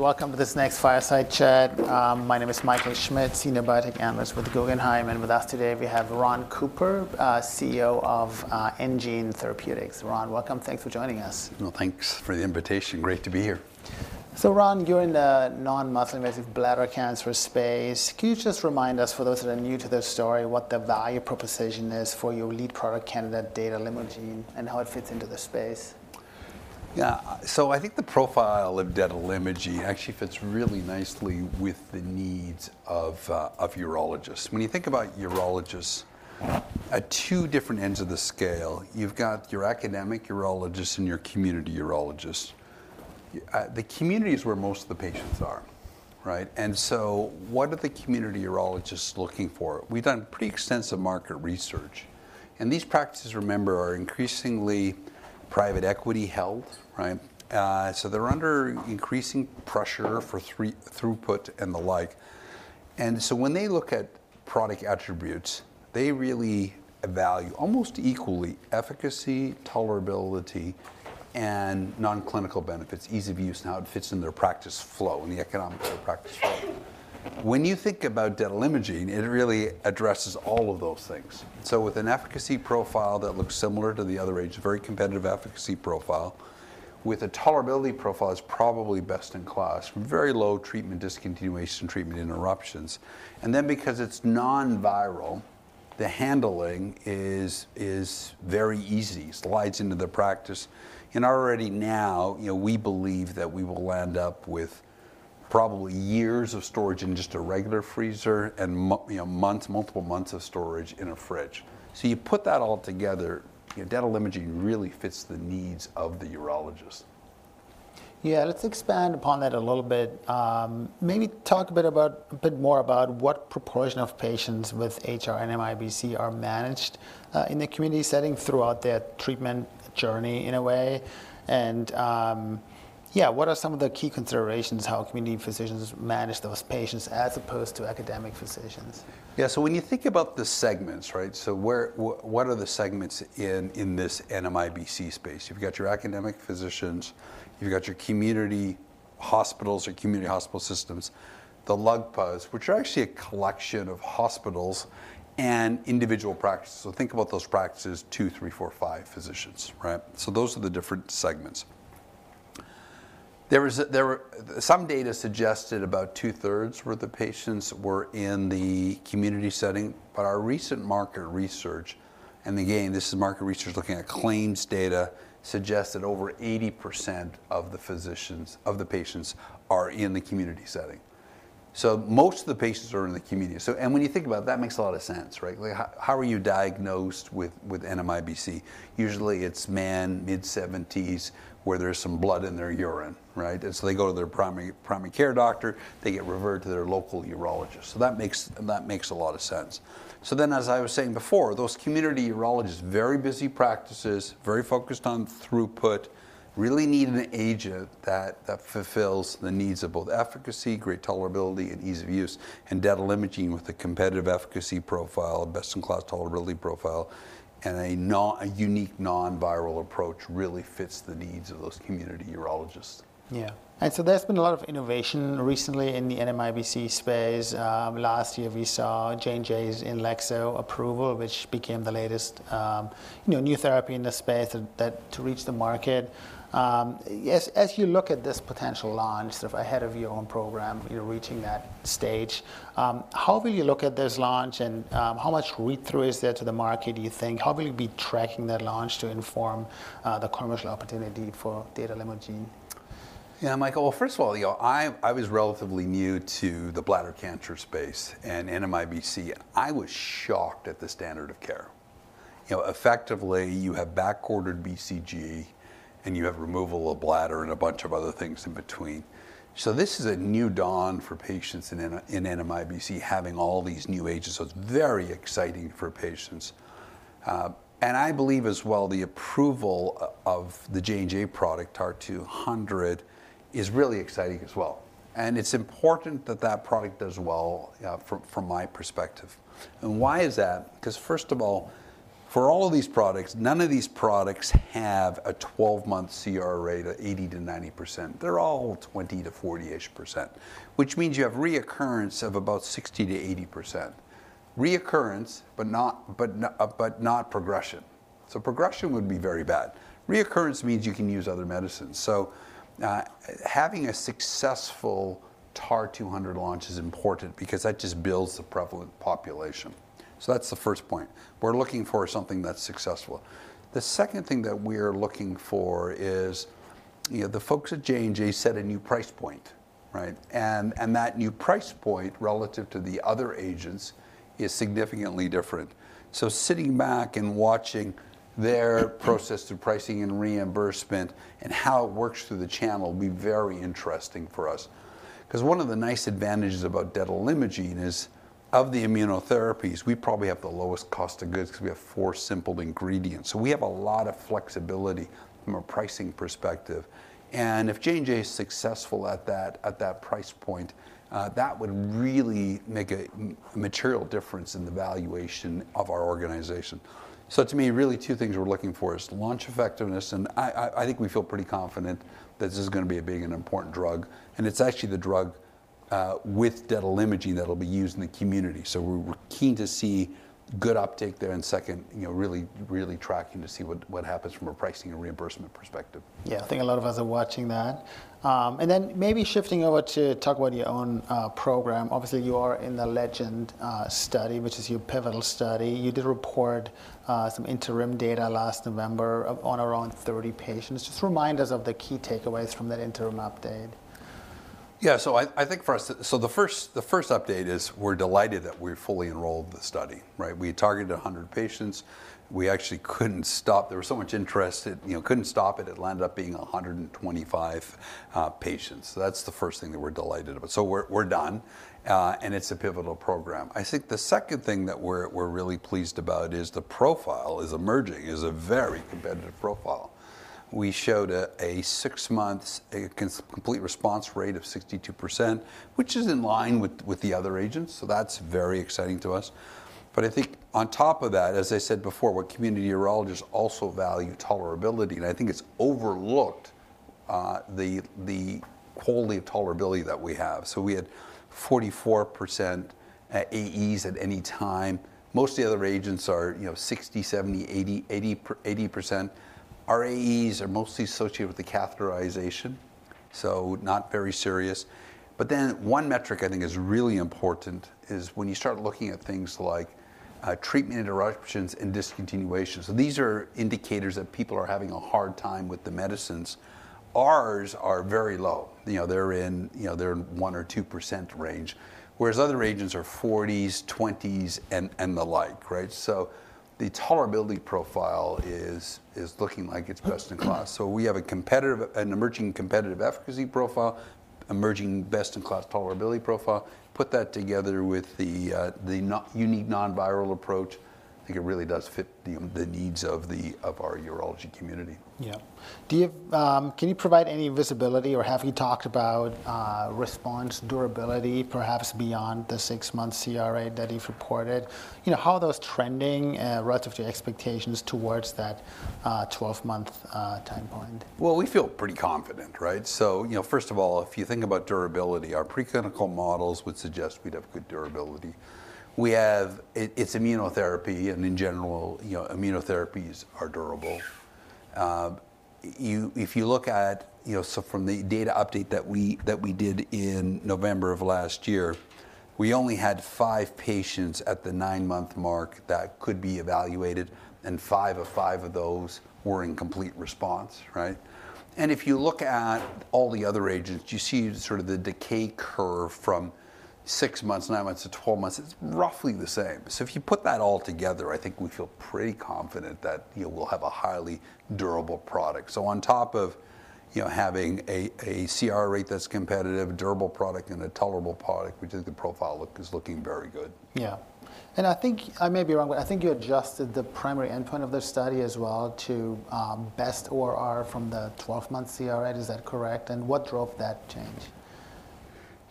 Welcome to this next Fireside Chat. My name is Michael Schmidt, Senior Biotech Analyst with Guggenheim, and with us today we have Ron Cooper, CEO of enGene Therapeutics. Ron, welcome. Thanks for joining us. Well, thanks for the invitation. Great to be here. So Ron, you're in the non-muscle invasive bladder cancer space. Can you just remind us, for those that are new to this story, what the value proposition is for your lead product candidate, detalimogene, and how it fits into the space? Yeah, so I think the profile of detalimogene actually fits really nicely with the needs of, of urologists. When you think about urologists at two different ends of the scale, you've got your academic urologists and your community urologists. The community is where most of the patients are, right? And so what are the community urologists looking for? We've done pretty extensive market research, and these practices, remember, are increasingly private equity held, right? So they're under increasing pressure for throughput and the like. And so when they look at product attributes, they really value almost equally efficacy, tolerability, and non-clinical benefits, ease of use, and how it fits in their practice flow and the economics of their practice flow. When you think about detalimogene, it really addresses all of those things. So with an efficacy profile that looks similar to the other agents, a very competitive efficacy profile, with a tolerability profile that's probably best in class, very low treatment discontinuation and treatment interruptions. And then because it's non-viral, the handling is very easy. It slides into the practice. And already now, you know, we believe that we will land up with probably years of storage in just a regular freezer and, you know, months, multiple months of storage in a fridge. So you put that all together, you know, detalimogene really fits the needs of the urologist. Yeah, let's expand upon that a little bit. Maybe talk a bit about a bit more about what proportion of patients with HR-NMIBC are managed in the community setting throughout their treatment journey, in a way. Yeah, what are some of the key considerations, how community physicians manage those patients as opposed to academic physicians? Yeah, so when you think about the segments, right, so what are the segments in this NMIBC space? You've got your academic physicians. You've got your community hospitals or community hospital systems, the LUGPAs, which are actually a collection of hospitals and individual practices. So think about those practices: two, three, four, five physicians, right? So those are the different segments. There were some data suggested about two-thirds where the patients were in the community setting. But our recent market research, and again, this is market research looking at claims data, suggests that over 80% of the physicians of the patients are in the community setting. So most of the patients are in the community. So and when you think about that, it makes a lot of sense, right? Like, how are you diagnosed with NMIBC? Usually it's men, mid-70s, where there's some blood in their urine, right? And so they go to their primary care doctor. They get referred to their local urologist. So that makes a lot of sense. So then, as I was saying before, those community urologists, very busy practices, very focused on throughput, really need an agent that fulfills the needs of both efficacy, great tolerability, and ease of use. And detalimogene, with a competitive efficacy profile, a best-in-class tolerability profile, and a unique non-viral approach, really fits the needs of those community urologists. Yeah. And so there's been a lot of innovation recently in the NMIBC space. Last year we saw J&J's INLEXZO approval, which became the latest, you know, new therapy in the space that to reach the market. As you look at this potential launch, sort of ahead of your own program, you know, reaching that stage, how will you look at this launch and how much read-through is there to the market, do you think? How will you be tracking that launch to inform the commercial opportunity for detalimogene? Yeah, Michael, well, first of all, you know, I, I was relatively new to the bladder cancer space and NMIBC. I was shocked at the standard of care. You know, effectively you have backordered BCG, and you have removal of bladder and a bunch of other things in between. So this is a new dawn for patients in NMIBC, having all these new agents. So it's very exciting for patients. I believe as well the approval of the J&J product, TAR-200, is really exciting as well. And it's important that that product does well, from my perspective. And why is that? Because first of all, for all of these products, none of these products have a 12-month CR rate of 80%-90%. They're all 20%-40-ish%, which means you have recurrence of about 60%-80%. Recurrence, but not progression. So progression would be very bad. Recurrence means you can use other medicines. So, having a successful TAR-200 launch is important because that just builds the prevalent population. So that's the first point. We're looking for something that's successful. The second thing that we are looking for is, you know, the folks at J&J set a new price point, right? And that new price point relative to the other agents is significantly different. So sitting back and watching their process through pricing and reimbursement and how it works through the channel will be very interesting for us. Because one of the nice advantages about detalimogene is, of the immunotherapies, we probably have the lowest cost of goods because we have four simple ingredients. So we have a lot of flexibility from a pricing perspective. If J&J is successful at that price point, that would really make a material difference in the valuation of our organization. So to me, really two things we're looking for is launch effectiveness. I think we feel pretty confident that this is going to be a big and important drug. It's actually the drug, with detalimogene that'll be used in the community. So we're keen to see good uptake there and second, you know, really tracking to see what happens from a pricing and reimbursement perspective. Yeah, I think a lot of us are watching that. And then maybe shifting over to talk about your own program. Obviously you are in the LEGEND study, which is your pivotal study. You did report some interim data last November on around 30 patients. Just remind us of the key takeaways from that interim update. Yeah, so I, I think for us so the first the first update is we're delighted that we fully enrolled the study, right? We targeted 100 patients. We actually couldn't stop there was so much interest it, you know, couldn't stop it. It landed up being 125 patients. So that's the first thing that we're delighted about. So we're, we're done, and it's a pivotal program. I think the second thing that we're, we're really pleased about is the profile is emerging, is a very competitive profile. We showed a, a six-month complete response rate of 62%, which is in line with, with the other agents. So that's very exciting to us. But I think on top of that, as I said before, what community urologists also value is tolerability. And I think it's overlooked, the, the quality of tolerability that we have. So we had 44% AEs at any time. Most of the other agents are, you know, 60%, 70%, 80%, 80%. Our AEs are mostly associated with the catheterization, so not very serious. But then one metric I think is really important is when you start looking at things like treatment interruptions and discontinuation. So these are indicators that people are having a hard time with the medicines. Ours are very low. You know, they're in, you know, they're in 1% or 2% range, whereas other agents are 40s%, 20s%, and the like, right? So the tolerability profile is looking like it's best in class. So we have a competitive and emerging competitive efficacy profile, emerging best-in-class tolerability profile. Put that together with the unique non-viral approach, I think it really does fit the needs of our urology community. Yeah. Do you have, can you provide any visibility or have you talked about response durability, perhaps beyond the six-month CR rate that you've reported? You know, how are those trending, relative to your expectations towards that 12-month time point? Well, we feel pretty confident, right? So, you know, first of all, if you think about durability, our preclinical models would suggest we'd have good durability. We have it's immunotherapy. And in general, you know, immunotherapies are durable. If you look at, you know, so from the data update that we did in November of last year, we only had five patients at the nine-month mark that could be evaluated, and five of five of those were in complete response, right? And if you look at all the other agents, you see sort of the decay curve from six months, nine months to 12 months. It's roughly the same. So if you put that all together, I think we feel pretty confident that, you know, we'll have a highly durable product. So on top of, you know, having a CR rate that's competitive, durable product, and a tolerable product, we think the profile look is looking very good. Yeah. And I think I may be wrong, but I think you adjusted the primary endpoint of the study as well to best ORR from the 12-month CR rate. Is that correct? And what drove that change?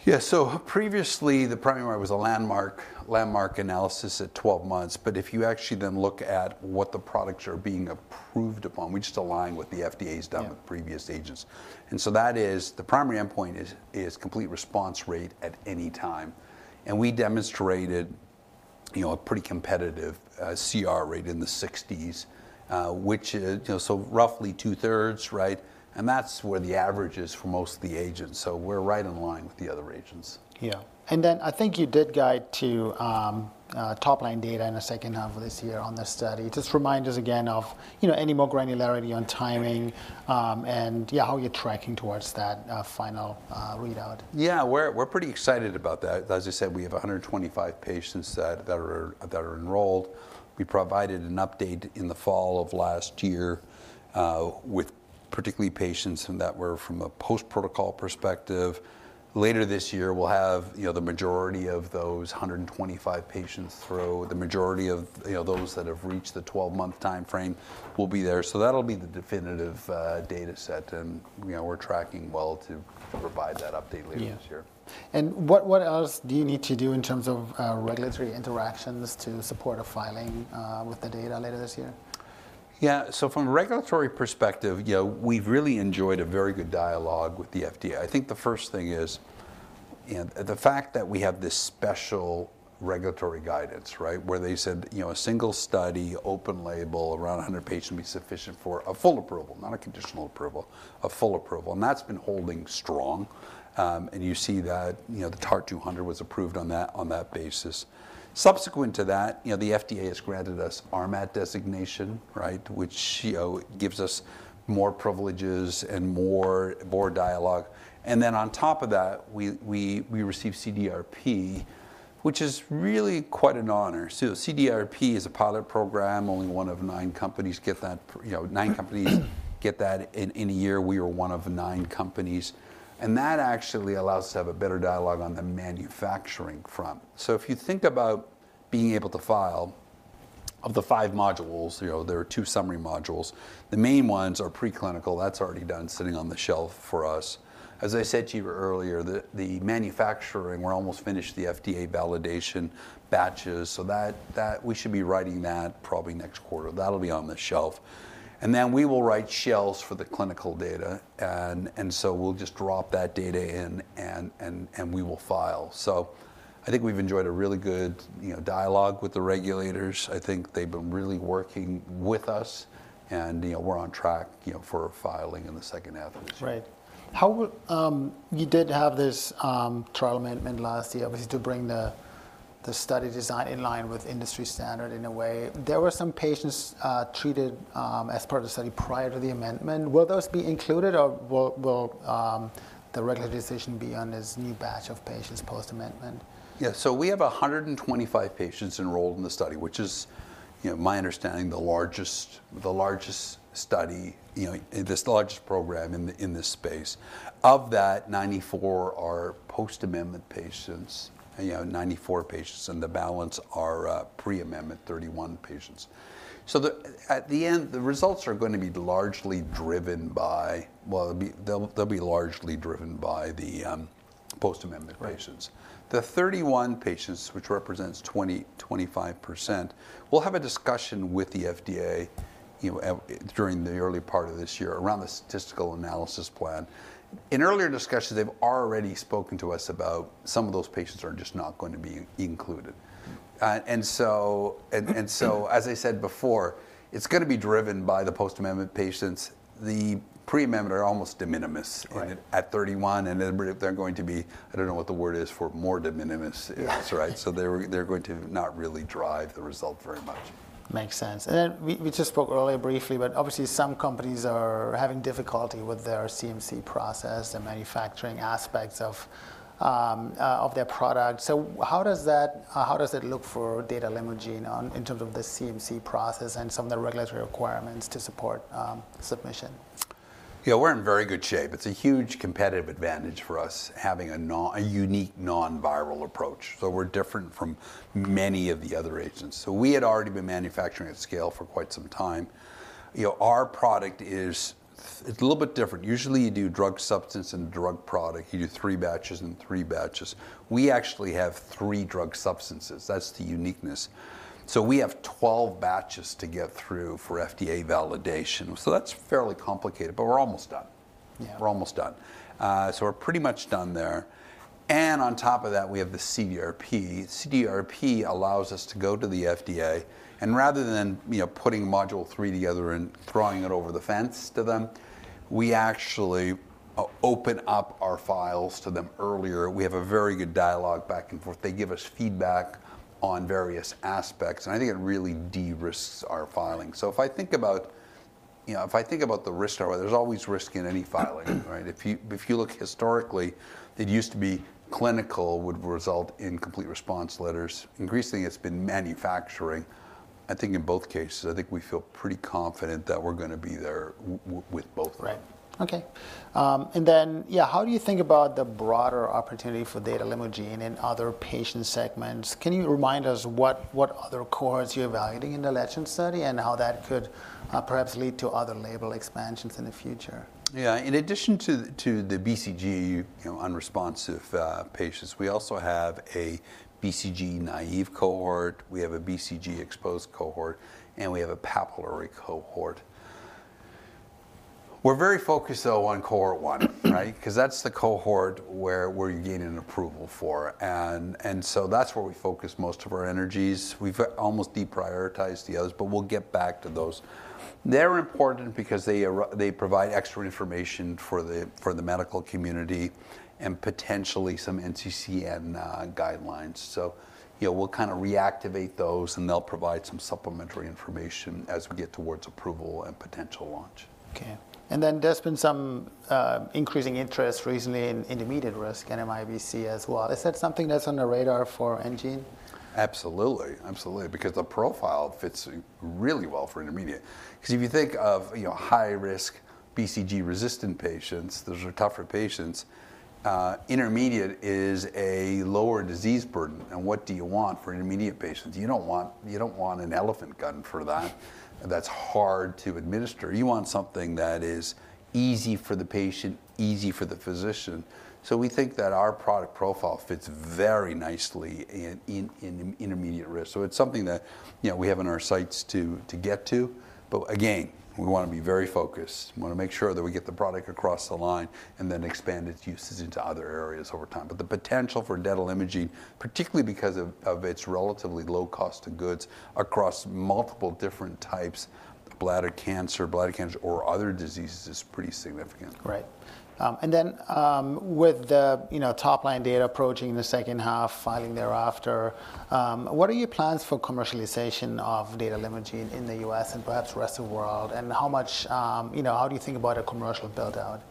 Yeah, so previously the primary ORR was a landmark analysis at 12 months. But if you actually then look at what the products are being approved upon, we just align with the FDA's done with previous agents. And so that is the primary endpoint is complete response rate at any time. And we demonstrated, you know, a pretty competitive CR rate in the 60s, which is, you know, so roughly two-thirds, right? And that's where the average is for most of the agents. So we're right in line with the other agents. Yeah. Then I think you did go to top-line data in the second half of this year on this study. Just remind us again of, you know, any more granularity on timing, and yeah, how you're tracking towards that final readout. Yeah, we're pretty excited about that. As I said, we have 125 patients that are enrolled. We provided an update in the fall of last year, with particularly patients that were from a post-protocol perspective. Later this year we'll have, you know, the majority of those 125 patients through the majority of, you know, those that have reached the 12-month time frame will be there. So that'll be the definitive data set. And, you know, we're tracking well to provide that update later this year. Yeah. What, what else do you need to do in terms of regulatory interactions to support a filing with the data later this year? Yeah, so from a regulatory perspective, you know, we've really enjoyed a very good dialogue with the FDA. I think the first thing is, you know, the fact that we have this special regulatory guidance, right, where they said, you know, a single study, open label, around 100 patients will be sufficient for a full approval, not a conditional approval, a full approval. And that's been holding strong. And you see that, you know, the TAR-200 was approved on that basis. Subsequent to that, you know, the FDA has granted us RMAT designation, right, which, you know, gives us more privileges and more dialogue. And then on top of that, we receive CDRP, which is really quite an honor. So CDRP is a pilot program. Only one of nine companies get that, you know, nine companies get that in a year. We were one of nine companies. That actually allows us to have a better dialogue on the manufacturing front. If you think about being able to file out of the five modules, you know, there are two summary modules. The main ones are preclinical. That's already done sitting on the shelf for us. As I said to you earlier, the manufacturing, we're almost finished the FDA validation batches. So that we should be writing that probably next quarter. That'll be on the shelf. And then we will write shells for the clinical data. And so we'll just drop that data in and we will file. So I think we've enjoyed a really good, you know, dialogue with the regulators. I think they've been really working with us. And, you know, we're on track, you know, for filing in the second half of this year. Right. How you did have this trial amendment last year, obviously to bring the study design in line with industry standard in a way. There were some patients treated as part of the study prior to the amendment. Will those be included or will the regulatory decision be on this new batch of patients post-amendment? Yeah, so we have 125 patients enrolled in the study, which is, you know, my understanding, the largest study, you know, this largest program in this space. Of that, 94 are post-amendment patients, you know, 94 patients. And the balance are pre-amendment, 31 patients. So at the end, the results are going to be largely driven by well, they'll be largely driven by the post-amendment patients. The 31 patients, which represents 20%-25%, we'll have a discussion with the FDA, you know, during the early part of this year around the statistical analysis plan. In earlier discussions, they've already spoken to us about some of those patients are just not going to be included. And so, as I said before, it's going to be driven by the post-amendment patients. The pre-amendment are almost de minimis at 31. They're going to be I don't know what the word is for more de minimis, right? They're going to not really drive the result very much. Makes sense. And then we, we just spoke earlier briefly, but obviously some companies are having difficulty with their CMC process, the manufacturing aspects of, of their product. So how does that, how does it look for detalimogene in terms of the CMC process and some of the regulatory requirements to support submission? Yeah, we're in very good shape. It's a huge competitive advantage for us having a unique non-viral approach. So we're different from many of the other agents. So we had already been manufacturing at scale for quite some time. You know, our product, it's a little bit different. Usually you do drug substance and drug product. You do three batches and three batches. We actually have three drug substances. That's the uniqueness. So we have 12 batches to get through for FDA validation. So that's fairly complicated, but we're almost done. We're almost done, so we're pretty much done there. And on top of that, we have the CDRP. CDRP allows us to go to the FDA. And rather than, you know, putting module three together and throwing it over the fence to them, we actually open up our files to them earlier. We have a very good dialogue back and forth. They give us feedback on various aspects. I think it really de-risks our filing. If I think about, you know, if I think about the risk, there's always risk in any filing, right? If you look historically, it used to be clinical would result in complete response letters. Increasingly, it's been manufacturing. I think in both cases, I think we feel pretty confident that we're going to be there with both of them. Right. Okay. And then, yeah, how do you think about the broader opportunity for detalimogene in other patient segments? Can you remind us what other cohorts you're evaluating in the LEGEND study and how that could, perhaps lead to other label expansions in the future? Yeah, in addition to the BCG, you know, unresponsive patients, we also have a BCG naive cohort. We have a BCG exposed cohort. And we have a papillary cohort. We're very focused, though, on cohort one, right? Because that's the cohort where you're getting an approval for. And so that's where we focus most of our energies. We've almost deprioritized the others, but we'll get back to those. They're important because they provide extra information for the medical community and potentially some NCCN guidelines. So, you know, we'll kind of reactivate those, and they'll provide some supplementary information as we get towards approval and potential launch. Okay. And then there's been some increasing interest recently in intermediate risk and NMIBC as well. Is that something that's on the radar for enGene? Absolutely. Absolutely. Because the profile fits really well for intermediate. Because if you think of, you know, high-risk BCG-resistant patients, those are tougher patients, intermediate is a lower disease burden. And what do you want for intermediate patients? You don't want, you don't want an elephant gun for that. That's hard to administer. You want something that is easy for the patient, easy for the physician. So we think that our product profile fits very nicely in, in, in intermediate risk. So it's something that, you know, we have in our sights to, to get to. But again, we want to be very focused. We want to make sure that we get the product across the line and then expand its uses into other areas over time. But the potential for detalimogene, particularly because of its relatively low cost of goods across multiple different types, bladder cancer, or other diseases, is pretty significant. Right. Then, with the, you know, top-line data approaching the second half, filing thereafter, what are your plans for commercialization of detalimogene in the U.S. and perhaps the rest of the world? And how much, you know, how do you think about a commercial buildout?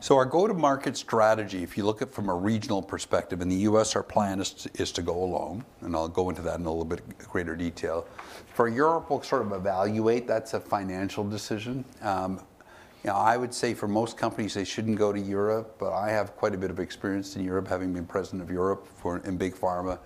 So our go-to-market strategy, if you look at it from a regional perspective, in the U.S., our plan is to go alone. I'll go into that in a little bit greater detail. For Europe, we'll sort of evaluate. That's a financial decision. You know, I would say for most companies, they shouldn't go to Europe. I have quite a bit of experience in Europe, having been President of Europe for Bristol-Myers Squibb.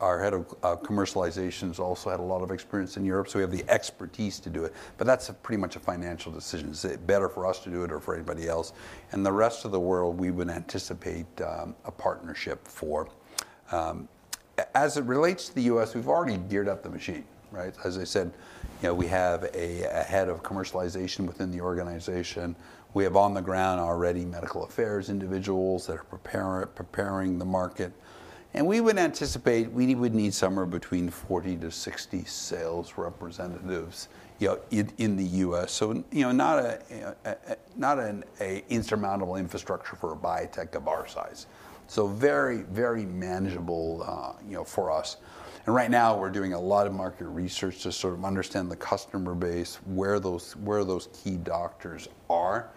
Our head of commercialization has also had a lot of experience in Europe. We have the expertise to do it. That's pretty much a financial decision. Is it better for us to do it or for anybody else? The rest of the world, we would anticipate a partnership for. As it relates to the U.S., we've already geared up the machine, right? As I said, you know, we have a head of commercialization within the organization. We have on the ground already medical affairs individuals that are preparing the market. And we would anticipate we would need somewhere between 40-60 sales representatives, you know, in the U.S. So, you know, not a not an insurmountable infrastructure for a biotech of our size. So very, very manageable, you know, for us. And right now we're doing a lot of market research to sort of understand the customer base, where those where those key doctors are.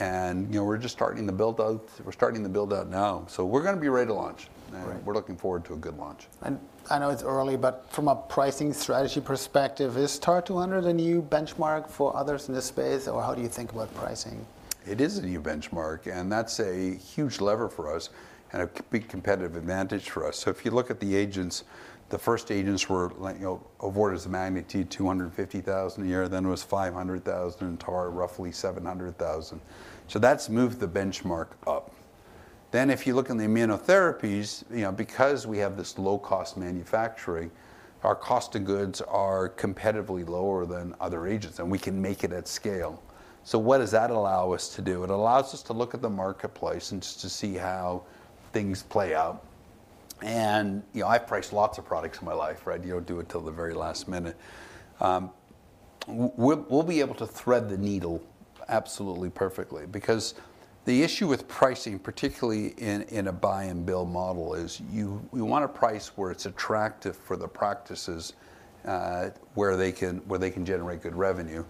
And, you know, we're just starting the buildout. We're starting the buildout now. So we're going to be ready to launch. And we're looking forward to a good launch. I know it's early, but from a pricing strategy perspective, is TAR-200 a new benchmark for others in this space, or how do you think about pricing? It is a new benchmark. That's a huge lever for us and a big competitive advantage for us. If you look at the agents, the first agents were, you know, of orders of magnitude $250,000 a year. Then it was $500,000 in TAR, roughly $700,000. That's moved the benchmark up. If you look in the immunotherapies, you know, because we have this low-cost manufacturing, our cost of goods are competitively lower than other agents. We can make it at scale. What does that allow us to do? It allows us to look at the marketplace and just to see how things play out. You know, I've priced lots of products in my life, right? You don't do it till the very last minute. We'll be able to thread the needle absolutely perfectly. Because the issue with pricing, particularly in a buy-and-bill model, is we want to price where it's attractive for the practices, where they can generate good revenue.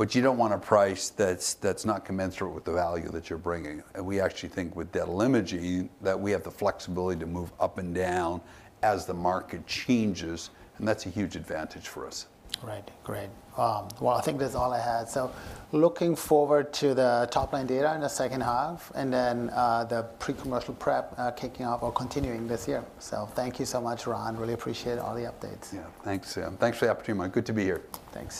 But you don't want to price that's not commensurate with the value that you're bringing. And we actually think with detalimogene that we have the flexibility to move up and down as the market changes. And that's a huge advantage for us. Right. Great. Well, I think that's all I had. So looking forward to the top-line data in the second half and then, the pre-commercial prep, kicking off or continuing this year. So thank you so much, Ron. Really appreciate all the updates. Yeah, thanks, and thanks for the opportunity. Good to be here. Thanks.